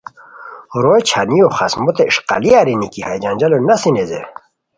روئے چھانیو خاڅموت اݰقالی ارینی کی ہیہ جنجالو نسی نیزے